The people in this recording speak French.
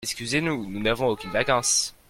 Excusez-nous, nous n'avons aucunes vacances